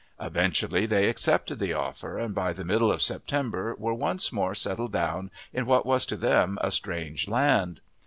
Eventually they accepted the offer, and by the middle of September were once more settled down in what was to them a strange land.